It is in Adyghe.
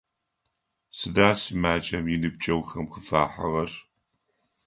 Сыда сымаджэм иныбджэгъухэм къыфахьыгъэр?